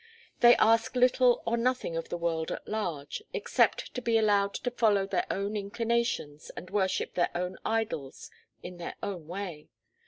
They ask little or nothing of the world at large, except to be allowed to follow their own inclinations and worship their own idols in their own way.